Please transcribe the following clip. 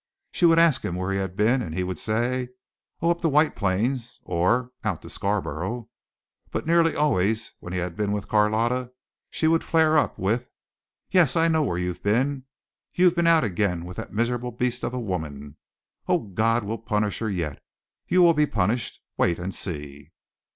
She would ask him where he had been and he would say: "Oh, up to White Plains" or "out to Scarborough," but nearly always when he had been with Carlotta she would flare up with, "Yes, I know where you've been. You've been out again with that miserable beast of a woman. Oh, God will punish her yet! You will be punished! Wait and see."